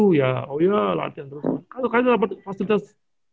oh iya latihan terus